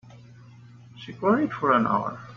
She cried for an hour.